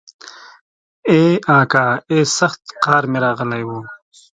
ای اکا ای سخت قار مې راغلی و.